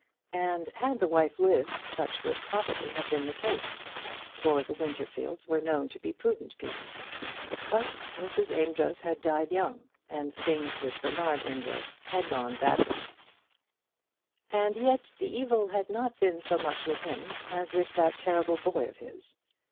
And had the wife lived such would probably have been the case; for the Winterfields were known to be prudent people. But Mrs. Amedroz had died young, and things with Bernard Amedroz had gone badly. And yet the evil had not been so much with him as with that terrible boy of his.